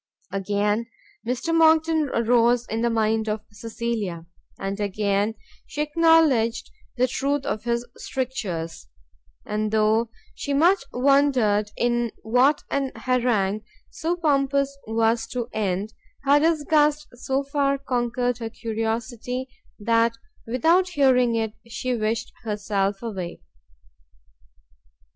Again Mr Monckton arose in the mind of Cecilia, and again she acknowledged the truth of his strictures; and though she much wondered in what an harangue so pompous was to end, her disgust so far conquered her curiosity, that without hearing it, she wished herself away.